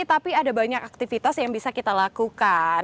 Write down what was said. tapi ada banyak aktivitas yang bisa kita lakukan